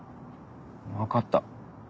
わかった。